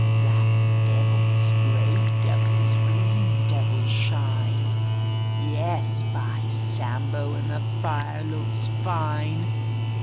Black devils, grey devils, green devils shine — Yes, by Sambo, And the fire looks fine!